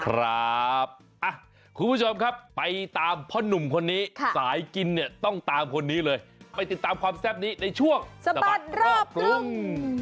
คุณผู้ชมครับไปตามพ่อนุ่มคนนี้สายกินเนี่ยต้องตามคนนี้เลยไปติดตามความแซ่บนี้ในช่วงสะบัดรอบกรุง